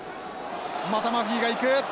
またマフィがいく。